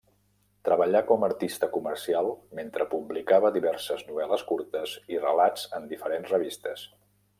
Treballà com a artista comercial mentre publicava diverses novel·les curtes i relats en diferents revistes.